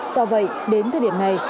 do vậy đến thời điểm này